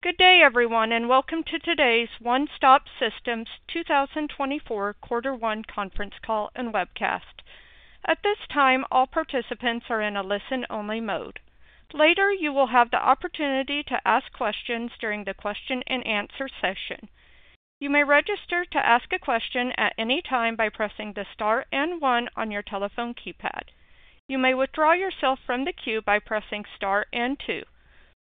Good day everyone, and welcome to today's One Stop Systems 2024 Quarter One Conference Call and Webcast. At this time, all participants are in a listen-only mode. Later, you will have the opportunity to ask questions during the question-and-answer session. You may register to ask a question at any time by pressing the star and one on your telephone keypad. You may withdraw yourself from the queue by pressing star and two.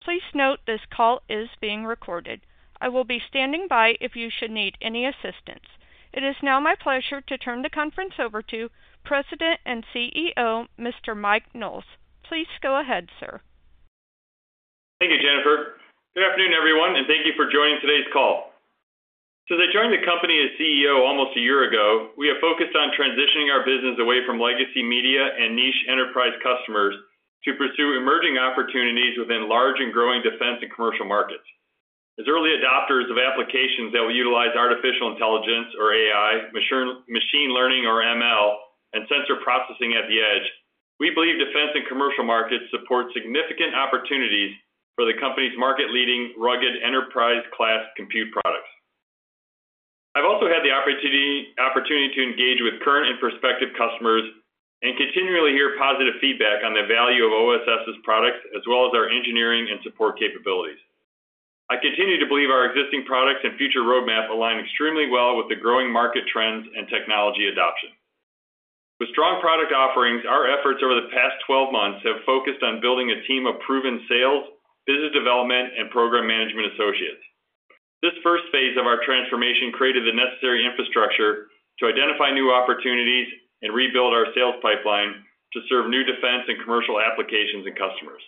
Please note this call is being recorded. I will be standing by if you should need any assistance. It is now my pleasure to turn the conference over to President and CEO Mr. Mike Knowles. Please go ahead, sir. Thank you, Jennifer. Good afternoon, everyone, and thank you for joining today's call. Since I joined the company as CEO almost a year ago, we have focused on transitioning our business away from legacy media and niche enterprise customers to pursue emerging opportunities within large and growing defense and commercial markets. As early adopters of applications that will utilize artificial intelligence, or AI, machine learning, or ML, and sensor processing at the edge, we believe defense and commercial markets support significant opportunities for the company's market-leading, rugged enterprise-class compute products. I've also had the opportunity to engage with current and prospective customers and continually hear positive feedback on the value of OSS's products as well as our engineering and support capabilities. I continue to believe our existing products and future roadmap align extremely well with the growing market trends and technology adoption. With strong product offerings, our efforts over the past 12 months have focused on building a team of proven sales, business development, and program management associates. This Phase I of our transformation created the necessary infrastructure to identify new opportunities and rebuild our sales pipeline to serve new defense and commercial applications and customers.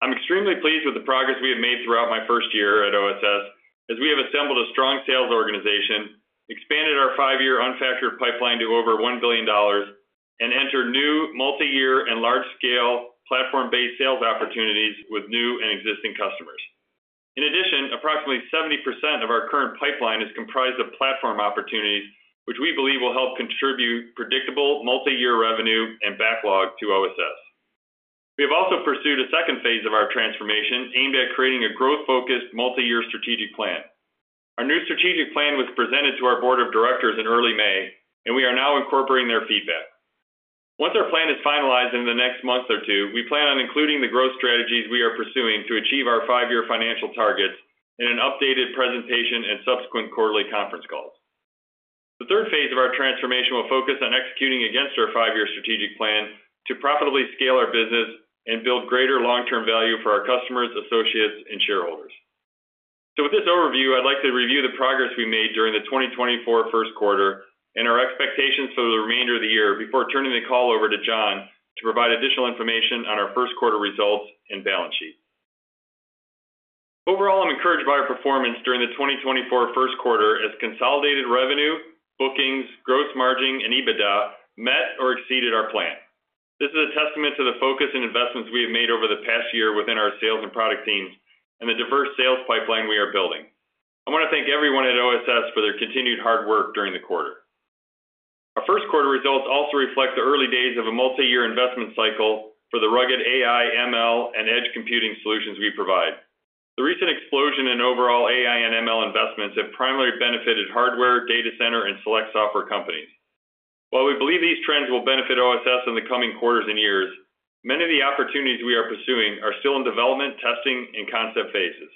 I'm extremely pleased with the progress we have made throughout my first year at OSS as we have assembled a strong sales organization, expanded our five-year unfactored pipeline to over $1 billion, and entered new multi-year and large-scale platform-based sales opportunities with new and existing customers. In addition, approximately 70% of our current pipeline is comprised of platform opportunities, which we believe will help contribute predictable multi-year revenue and backlog to OSS. We have also pursued a second phase of our transformation aimed at creating a growth-focused multi-year strategic plan. Our new strategic plan was presented to our board of directors in early May, and we are now incorporating their feedback. Once our plan is finalized in the next month or two, we plan on including the growth strategies we are pursuing to achieve our five-year financial targets in an updated presentation and subsequent quarterly conference calls. The Phase III of our transformation will focus on executing against our five-year strategic plan to profitably scale our business and build greater long-term value for our customers, associates, and shareholders. So with this overview, I'd like to review the progress we made during the 2024 first quarter and our expectations for the remainder of the year before turning the call over to John to provide additional information on our first quarter results and balance sheet. Overall, I'm encouraged by our performance during the 2024 first quarter as consolidated revenue, bookings, gross margin, and EBITDA met or exceeded our plan. This is a testament to the focus and investments we have made over the past year within our sales and product teams and the diverse sales pipeline we are building. I want to thank everyone at OSS for their continued hard work during the quarter. Our first quarter results also reflect the early days of a multi-year investment cycle for the rugged AI, ML, and edge computing solutions we provide. The recent explosion in overall AI and ML investments have primarily benefited hardware, data center, and select software companies. While we believe these trends will benefit OSS in the coming quarters and years, many of the opportunities we are pursuing are still in development, testing, and concept phases.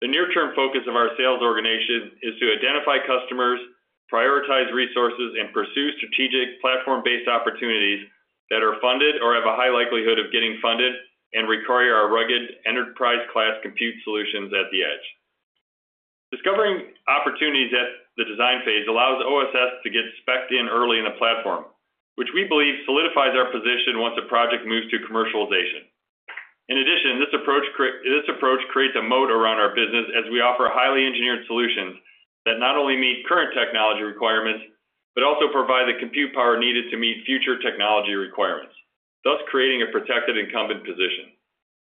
The near-term focus of our sales organization is to identify customers, prioritize resources, and pursue strategic platform-based opportunities that are funded or have a high likelihood of getting funded and require our rugged enterprise-class compute solutions at the edge. Discovering opportunities at the design phase allows OSS to get specced in early in the platform, which we believe solidifies our position once a project moves to commercialization. In addition, this approach creates a moat around our business as we offer highly engineered solutions that not only meet current technology requirements but also provide the compute power needed to meet future technology requirements, thus creating a protected incumbent position.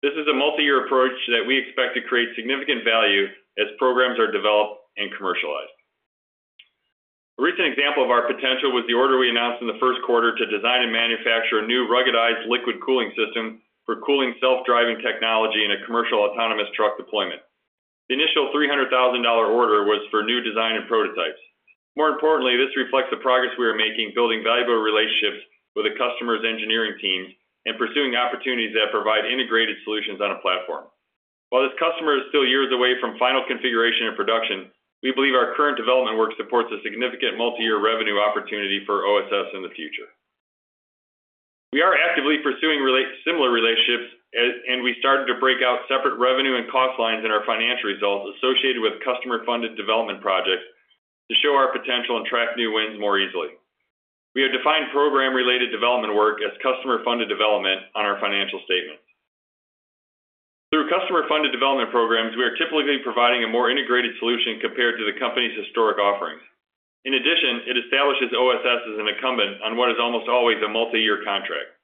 This is a multi-year approach that we expect to create significant value as programs are developed and commercialized. A recent example of our potential was the order we announced in the first quarter to design and manufacture a new ruggedized liquid cooling system for cooling self-driving technology in a commercial autonomous truck deployment. The initial $300,000 order was for new design and prototypes. More importantly, this reflects the progress we are making building valuable relationships with the customers' engineering teams and pursuing opportunities that provide integrated solutions on a platform. While this customer is still years away from final configuration and production, we believe our current development work supports a significant multi-year revenue opportunity for OSS in the future. We are actively pursuing similar relationships, and we started to break out separate revenue and cost lines in our financial results associated with customer-funded development projects to show our potential and track new wins more easily. We have defined program-related development work as customer-funded development on our financial statements. Through customer-funded development programs, we are typically providing a more integrated solution compared to the company's historic offerings. In addition, it establishes OSS as an incumbent on what is almost always a multi-year contract.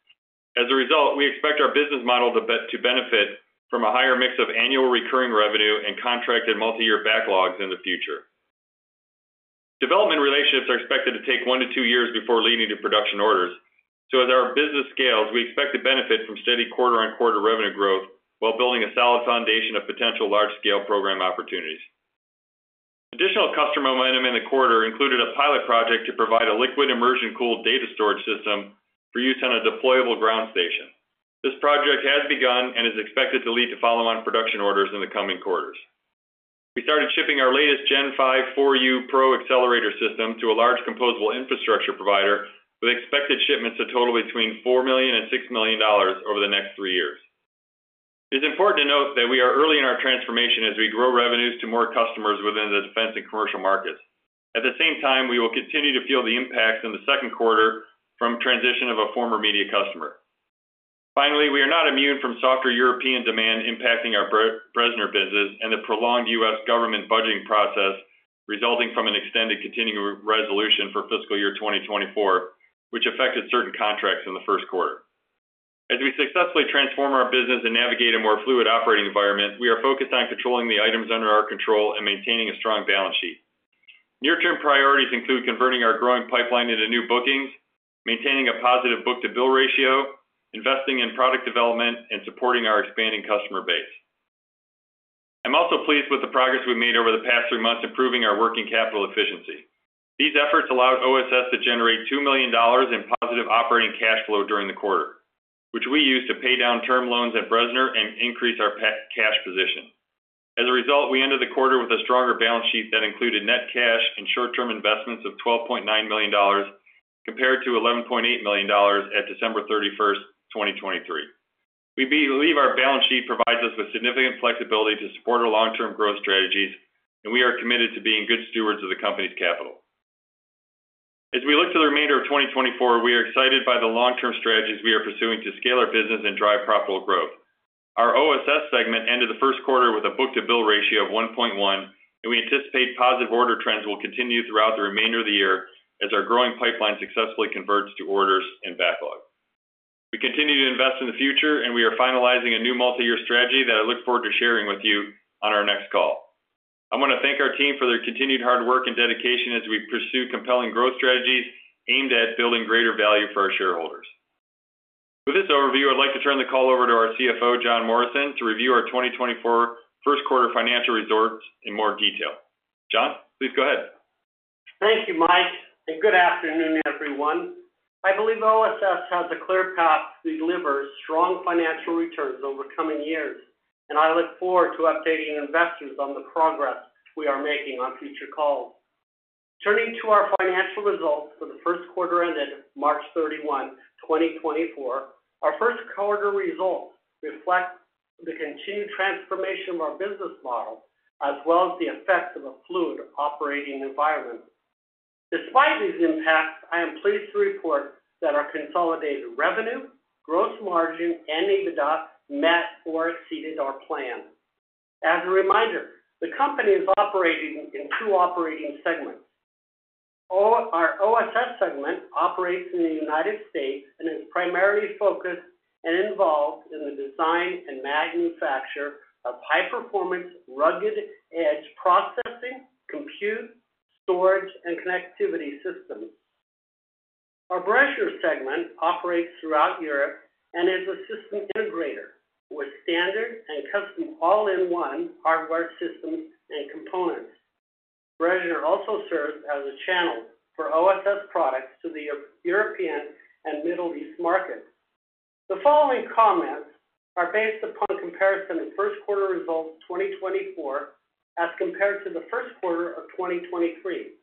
As a result, we expect our business model to benefit from a higher mix of annual recurring revenue and contracted multi-year backlogs in the future. Development relationships are expected to take one to two years before leading to production orders, so as our business scales, we expect to benefit from steady quarter-on-quarter revenue growth while building a solid foundation of potential large-scale program opportunities. Additional customer momentum in the quarter included a pilot project to provide a liquid immersion-cooled data storage system for use on a deployable ground station. This project has begun and is expected to lead to follow-on production orders in the coming quarters. We started shipping our latest Gen5 4U Pro accelerator system to a large composable infrastructure provider with expected shipments to total between $4 million and $6 million over the next three years. It is important to note that we are early in our transformation as we grow revenues to more customers within the defense and commercial markets. At the same time, we will continue to feel the impacts in the second quarter from transition of a former media customer. Finally, we are not immune from softer European demand impacting our Bressner business and the prolonged US government budgeting process resulting from an extended continuing resolution for fiscal year 2024, which affected certain contracts in the first quarter. As we successfully transform our business and navigate a more fluid operating environment, we are focused on controlling the items under our control and maintaining a strong balance sheet. Near-term priorities include converting our growing pipeline into new bookings, maintaining a positive book-to-bill ratio, investing in product development, and supporting our expanding customer base. I'm also pleased with the progress we made over the past three months improving our working capital efficiency. These efforts allowed OSS to generate $2 million in positive operating cash flow during the quarter, which we used to pay down term loans at Bressner and increase our cash position. As a result, we ended the quarter with a stronger balance sheet that included net cash and short-term investments of $12.9 million compared to $11.8 million at December 31st, 2023. We believe our balance sheet provides us with significant flexibility to support our long-term growth strategies, and we are committed to being good stewards of the company's capital. As we look to the remainder of 2024, we are excited by the long-term strategies we are pursuing to scale our business and drive profitable growth. Our OSS segment ended the first quarter with a book-to-bill ratio of 1.1, and we anticipate positive order trends will continue throughout the remainder of the year as our growing pipeline successfully converts to orders and backlog. We continue to invest in the future, and we are finalizing a new multi-year strategy that I look forward to sharing with you on our next call. I want to thank our team for their continued hard work and dedication as we pursue compelling growth strategies aimed at building greater value for our shareholders. With this overview, I'd like to turn the call over to our CFO, John Morrison, to review our 2024 first quarter financial results in more detail. John, please go ahead. Thank you, Mike, and good afternoon, everyone. I believe OSS has a clear path to deliver strong financial returns over coming years, and I look forward to updating investors on the progress we are making on future calls. Turning to our financial results for the first quarter ended March 31, 2024, our first quarter results reflect the continued transformation of our business model as well as the effects of a fluid operating environment. Despite these impacts, I am pleased to report that our consolidated revenue, gross margin, and EBITDA met or exceeded our plan. As a reminder, the company is operating in two operating segments. Our OSS segment operates in the United States and is primarily focused and involved in the design and manufacture of high-performance rugged edge processing, compute, storage, and connectivity systems. Our BRESSNER segment operates throughout Europe and is a system integrator with standard and custom all-in-one hardware systems and components. BRESSNER also serves as a channel for OSS products to the Europe and Middle East markets. The following comments are based upon comparison of first quarter results 2024 as compared to the first quarter of 2023.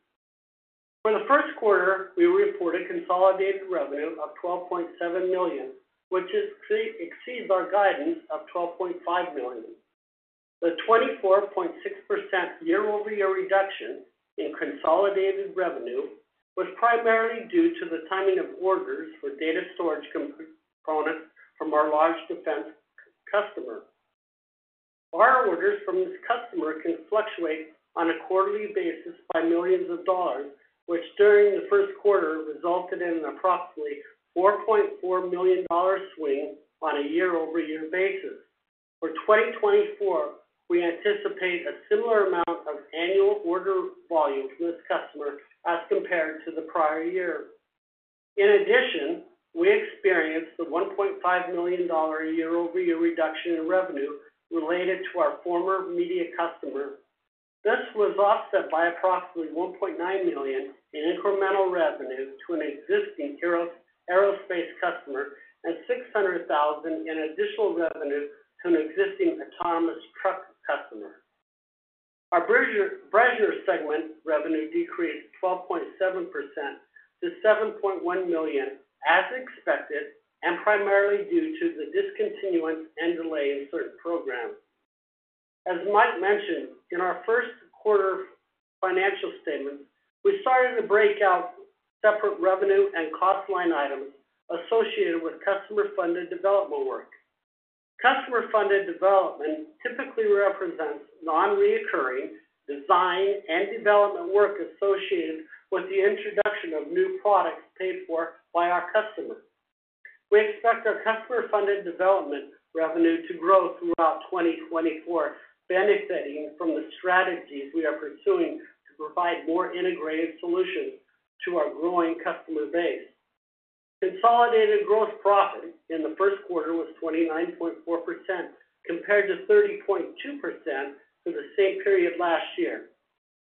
For the first quarter, we reported consolidated revenue of $12.7 million, which exceeds our guidance of $12.5 million. The 24.6% year-over-year reduction in consolidated revenue was primarily due to the timing of orders for data storage components from our large defense customer. Our orders from this customer can fluctuate on a quarterly basis by millions of dollars, which during the first quarter resulted in an approximately $4.4 million swing on a year-over-year basis. For 2024, we anticipate a similar amount of annual order volume from this customer as compared to the prior year. In addition, we experienced the $1.5 million year-over-year reduction in revenue related to our former media customer. This was offset by approximately $1.9 million in incremental revenue to an existing aerospace customer and $600,000 in additional revenue to an existing autonomous truck customer. Our Bressner segment revenue decreased 12.7% to $7.1 million as expected and primarily due to the discontinuance and delay in certain programs. As Mike mentioned, in our first quarter financial statements, we started to break out separate revenue and cost line items associated with customer-funded development work. Customer-funded development typically represents non-recurring design and development work associated with the introduction of new products paid for by our customers. We expect our customer-funded development revenue to grow throughout 2024, benefiting from the strategies we are pursuing to provide more integrated solutions to our growing customer base. Consolidated gross profit in the first quarter was 29.4% compared to 30.2% for the same period last year.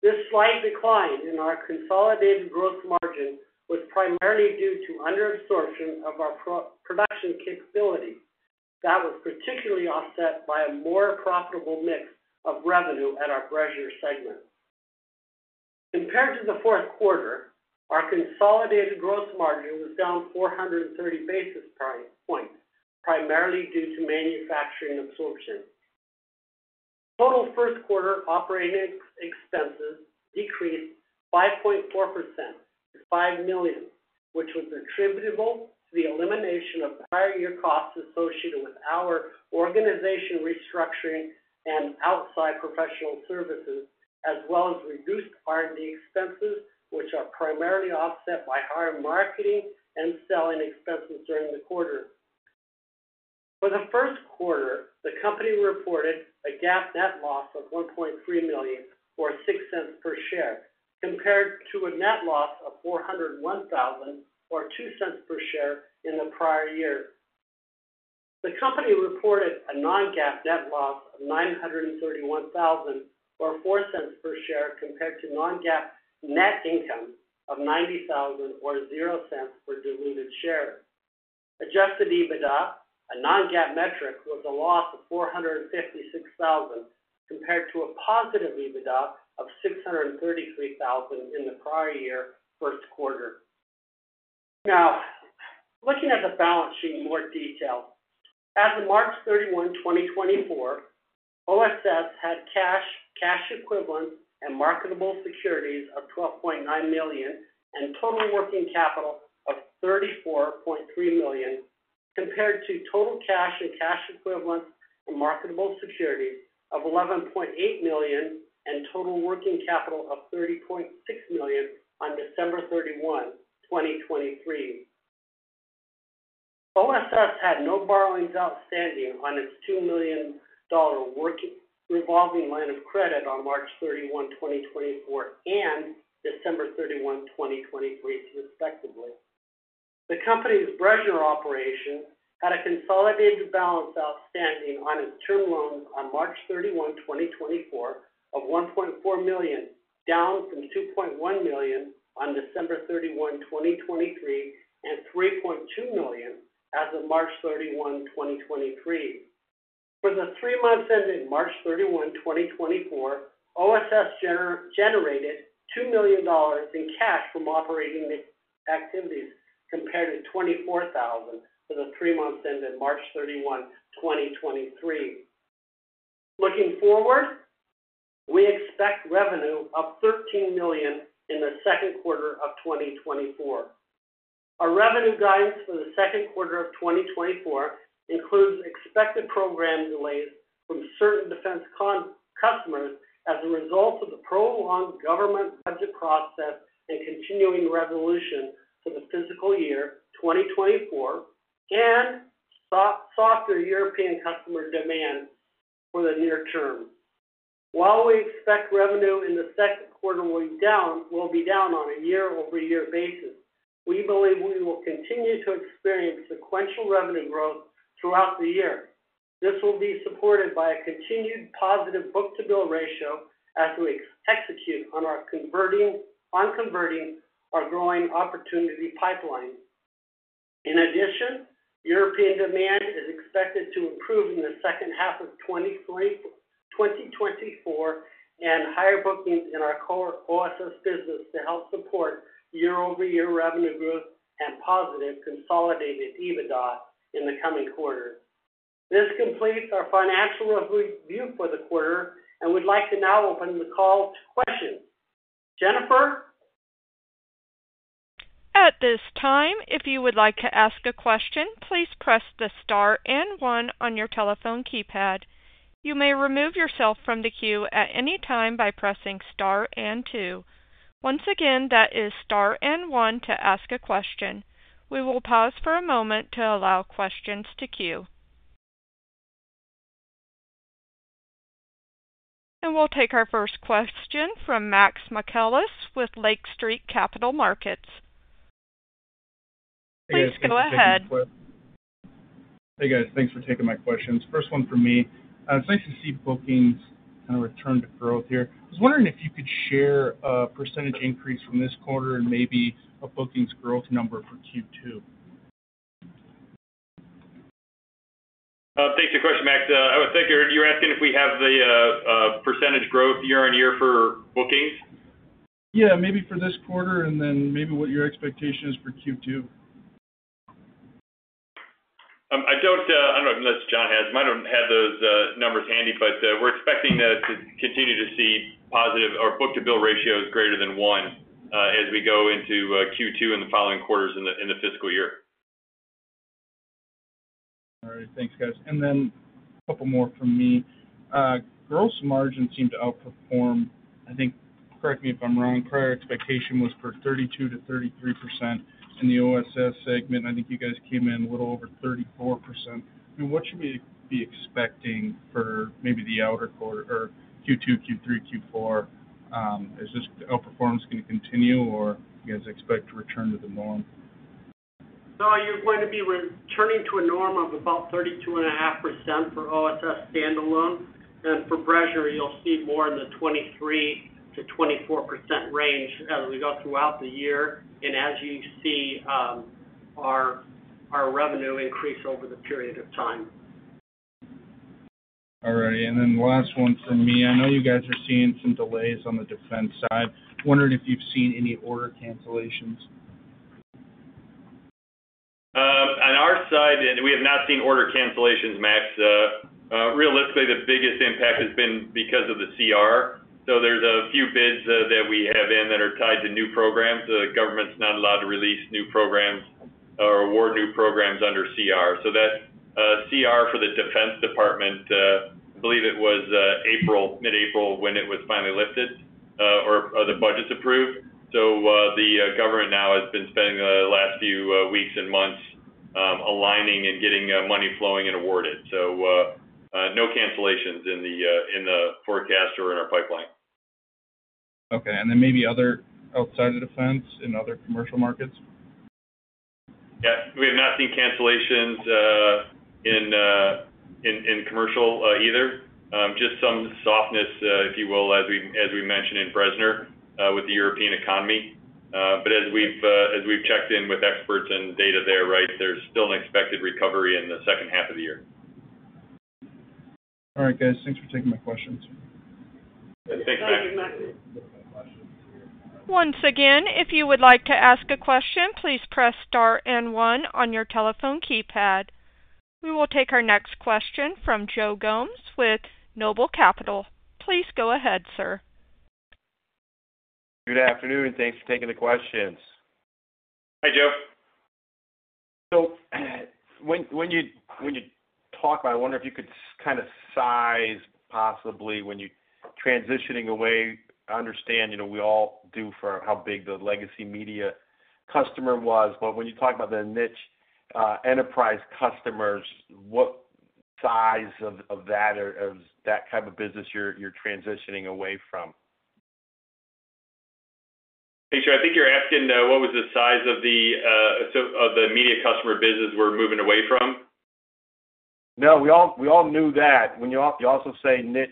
This slight decline in our consolidated gross margin was primarily due to underabsorption of our production capabilities. That was particularly offset by a more profitable mix of revenue at our Bressner segment. Compared to the fourth quarter, our consolidated gross margin was down 430 basis points, primarily due to manufacturing absorption. Total first quarter operating expenses decreased 5.4% to $5 million, which was attributable to the elimination of prior year costs associated with our organization restructuring and outside professional services, as well as reduced R&D expenses, which are primarily offset by higher marketing and selling expenses during the quarter. For the first quarter, the company reported a GAAP net loss of $1.3 million or $0.06 per share compared to a net loss of $401,000 or $0.02 per share in the prior year. The company reported a non-GAAP net loss of $931,000 or $0.04 per share compared to non-GAAP net income of $90,000 or $0.00 per diluted share. Adjusted EBITDA, a non-GAAP metric, was a loss of $456,000 compared to a positive EBITDA of $633,000 in the prior year first quarter. Now, looking at the balance sheet in more detail, as of March 31, 2024, OSS had cash, cash equivalents, and marketable securities of $12.9 million and total working capital of $34.3 million compared to total cash and cash equivalents and marketable securities of $11.8 million and total working capital of $30.6 million on December 31, 2023. OSS had no borrowings outstanding on its $2 million revolving line of credit on March 31, 2024, and December 31, 2023, respectively. The company's Bressner operations had a consolidated balance outstanding on its term loans on March 31, 2024, of $1.4 million, down from $2.1 million on December 31, 2023, and $3.2 million as of March 31, 2023. For the three months ended March 31, 2024, OSS generated $2 million in cash from operating activities compared to $24,000 for the three months ended March 31, 2023. Looking forward, we expect revenue of $13 million in the second quarter of 2024. Our revenue guidance for the second quarter of 2024 includes expected program delays from certain defense customers as a result of the prolonged government budget process and continuing resolution for the fiscal year 2024 and softer European customer demand for the near term. While we expect revenue in the second quarter will be down on a year-over-year basis, we believe we will continue to experience sequential revenue growth throughout the year. This will be supported by a continued positive book-to-bill ratio as we execute on converting our growing opportunity pipeline. In addition, European demand is expected to improve in the second half of 2024 and higher bookings in our OSS business to help support year-over-year revenue growth and positive consolidated EBITDA in the coming quarters. This completes our financial review for the quarter and would like to now open the call to questions. Jennifer? At this time, if you would like to ask a question, please press the star and one on your telephone keypad. You may remove yourself from the queue at any time by pressing star and two. Once again, that is star and one to ask a question. We will pause for a moment to allow questions to queue. And we'll take our first question from Max Michaelis with Lake Street Capital Markets. Please go ahead. Hey guys. Thanks for taking my questions. First one from me. It's nice to see bookings kind of return to growth here. I was wondering if you could share a percentage increase from this quarter and maybe a bookings growth number for Q2. Thanks for your question, Max. I was thinking you were asking if we have the percentage growth year-over-year for bookings? Yeah, maybe for this quarter and then maybe what your expectation is for Q2? I don't know if that's John had. I don't have those numbers handy, but we're expecting to continue to see positive our book-to-bill ratio is greater than 1 as we go into Q2 and the following quarters in the fiscal year. All right. Thanks, guys. And then a couple more from me. Gross margin seemed to outperform, I think correct me if I'm wrong, prior expectation was for 32%-33% in the OSS segment, and I think you guys came in a little over 34%. I mean, what should we be expecting for maybe the outer quarter or Q2, Q3, Q4? Is this outperformance going to continue, or do you guys expect to return to the norm? You're going to be returning to a norm of about 32.5% for OSS standalone, and for BRESSNER, you'll see more in the 23%-24% range as we go throughout the year and as you see our revenue increase over the period of time. All righty. Then last one from me. I know you guys are seeing some delays on the defense side. Wondering if you've seen any order cancellations? On our side, we have not seen order cancellations, Max. Realistically, the biggest impact has been because of the CR. So there's a few bids that we have in that are tied to new programs. The government's not allowed to release new programs or award new programs under CR. So that CR for the defense department. I believe it was mid-April when it was finally lifted or the budgets approved. So the government now has been spending the last few weeks and months aligning and getting money flowing and awarded. So no cancellations in the forecast or in our pipeline. Okay. And then maybe outside of defense in other commercial markets? Yeah. We have not seen cancellations in commercial either. Just some softness, if you will, as we mentioned in Bressner with the European economy. But as we've checked in with experts and data there, right, there's still an expected recovery in the second half of the year. All right, guys. Thanks for taking my questions. Thanks, Max. Once again, if you would like to ask a question, please press star and one on your telephone keypad. We will take our next question from Joe Gomes with Noble Capital. Please go ahead, sir. Good afternoon and thanks for taking the questions. Hi, Joe. So when you talk about it, I wonder if you could kind of size possibly when you're transitioning away. I understand we all do for how big the legacy media customer was, but when you talk about the niche enterprise customers, what size of that type of business you're transitioning away from? Hey, Joe. I think you're asking what was the size of the media customer business we're moving away from? No, we all knew that. When you also say niche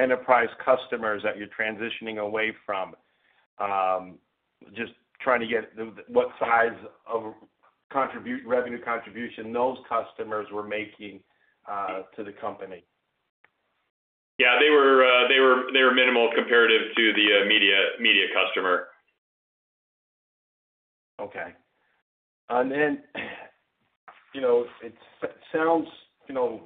enterprise customers that you're transitioning away from, just trying to get what size of revenue contribution those customers were making to the company? Yeah, they were minimal compared to the media customer. Okay. And then it sounds a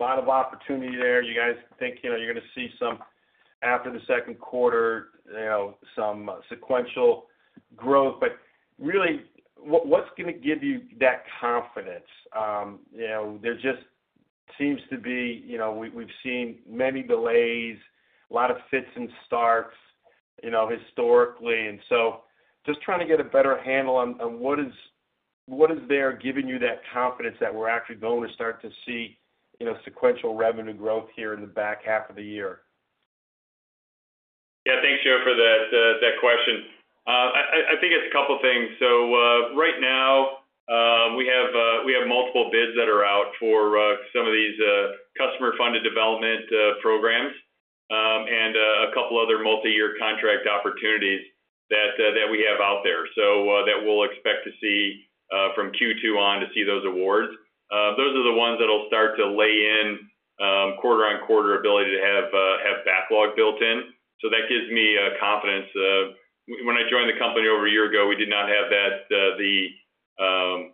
lot of opportunity there. You guys think you're going to see some after the second quarter, some sequential growth, but really, what's going to give you that confidence? There just seems to be. We've seen many delays, a lot of fits and starts historically. And so just trying to get a better handle on what is there giving you that confidence that we're actually going to start to see sequential revenue growth here in the back half of the year. Yeah, thanks, Joe, for that question. I think it's a couple of things. So right now, we have multiple bids that are out for some of these customer-funded development programs and a couple other multi-year contract opportunities that we have out there that we'll expect to see from Q2 on to see those awards. Those are the ones that'll start to lay in quarter-on-quarter ability to have backlog built in. So that gives me confidence. When I joined the company over a year ago, we did not have the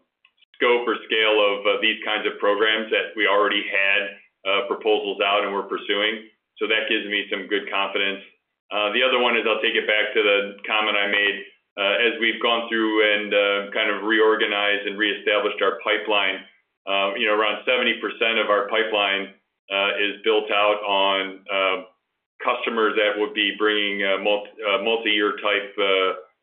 scope or scale of these kinds of programs that we already had proposals out and were pursuing. So that gives me some good confidence. The other one is I'll take it back to the comment I made. As we've gone through and kind of reorganized and reestablished our pipeline, around 70% of our pipeline is built out on customers that would be bringing multi-year type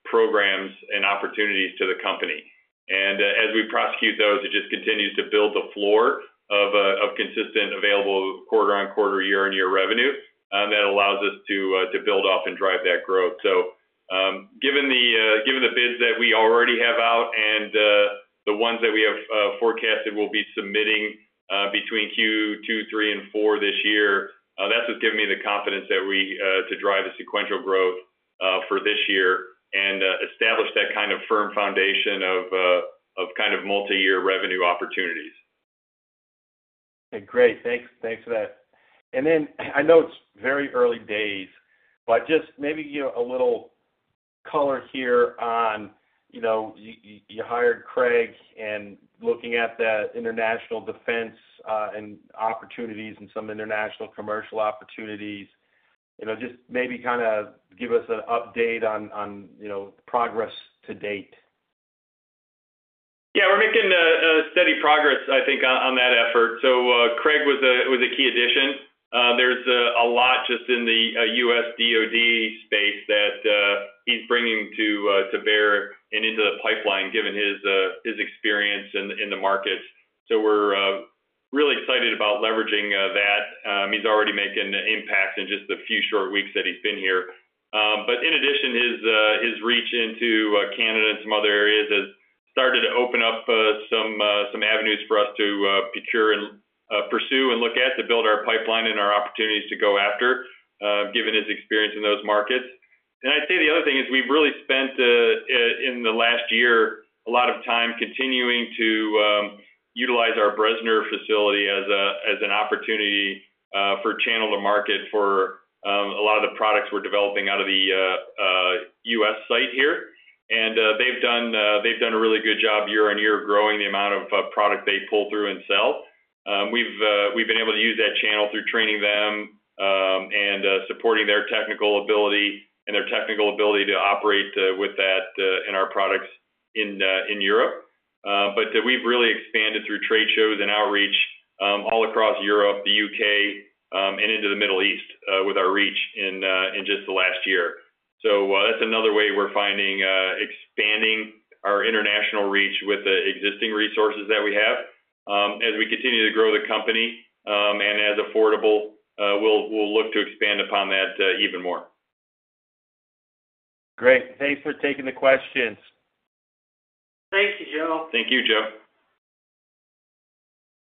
programs and opportunities to the company. And as we prosecute those, it just continues to build the floor of consistent available quarter-on-quarter, year-on-year revenue. That allows us to build off and drive that growth. So given the bids that we already have out and the ones that we have forecasted we'll be submitting between Q2, Q3, and Q4 this year, that's what's given me the confidence to drive the sequential growth for this year and establish that kind of firm foundation of kind of multi-year revenue opportunities. Okay. Great. Thanks for that. And then I know it's very early days, but just maybe a little color here on you hired Craig, and looking at the international defense and opportunities and some international commercial opportunities, just maybe kind of give us an update on progress to date? Yeah, we're making steady progress, I think, on that effort. So Craig was a key addition. There's a lot just in the U.S. DoD space that he's bringing to bear and into the pipeline given his experience in the markets. So we're really excited about leveraging that. He's already making impacts in just the few short weeks that he's been here. But in addition, his reach into Canada and some other areas has started to open up some avenues for us to pursue and look at to build our pipeline and our opportunities to go after given his experience in those markets. And I'd say the other thing is we've really spent in the last year a lot of time continuing to utilize our Bressner facility as an opportunity for channel to market for a lot of the products we're developing out of the U.S. site here. They've done a really good job year on year growing the amount of product they pull through and sell. We've been able to use that channel through training them and supporting their technical ability and their technical ability to operate with that in our products in Europe. We've really expanded through trade shows and outreach all across Europe, the U.K., and into the Middle East with our reach in just the last year. That's another way we're finding expanding our international reach with the existing resources that we have. As we continue to grow the company and as affordable, we'll look to expand upon that even more. Great. Thanks for taking the questions. Thank you, Joe. Thank you, Joe.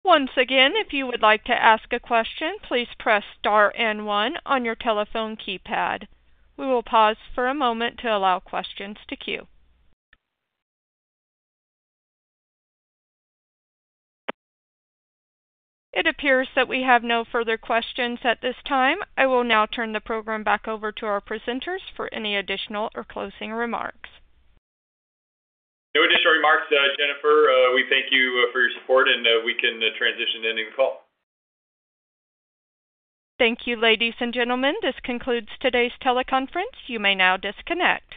Once again, if you would like to ask a question, please press star and one on your telephone keypad. We will pause for a moment to allow questions to queue. It appears that we have no further questions at this time. I will now turn the program back over to our presenters for any additional or closing remarks. No additional remarks, Jennifer. We thank you for your support, and we can transition to ending the call. Thank you, ladies and gentlemen. This concludes today's teleconference. You may now disconnect.